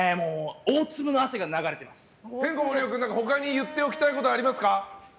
てんこ盛り男君他に言っておきたいことありますか？